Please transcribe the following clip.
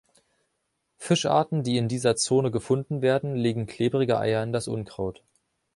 Fischarten, die in dieser Zone gefunden werden, legen klebrige Eier in das Unkraut.